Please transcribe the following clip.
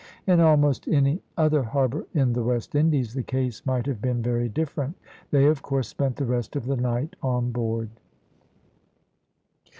In almost any other harbour in the West Indies the case might have been very different. They, of course, spent the rest of the night on board.